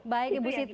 baik ibu siti